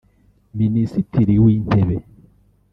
Minisitiri w’intebe